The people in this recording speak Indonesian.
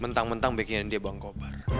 mentang mentang bikin dia bangkobar